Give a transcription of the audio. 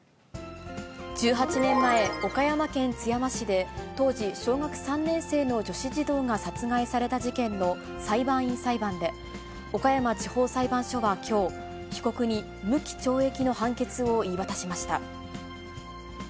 １８年前、岡山県津山市で、当時小学３年生の女子児童が殺害された事件の裁判員裁判で、岡山地方裁判所はきょう、被告に無期懲役の判決を言い渡しました。